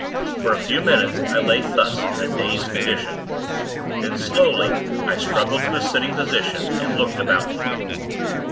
For a few minutes, I lay thus, in a dazed condition; then, slowly, I struggled to a sitting position, and looked about me.